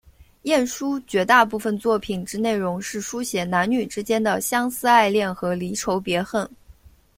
晏殊绝大部分作品之内容是抒写男女之间的相思爱恋和离愁别恨。